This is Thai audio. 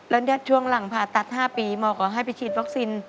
แล้วช่วงหลังผ่าตัด๕ปีหมอก็ให้ไปฉีดวัคซีน